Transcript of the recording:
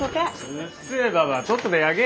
うっせえばばあとっとと焼け。